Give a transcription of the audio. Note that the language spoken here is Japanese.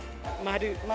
丸。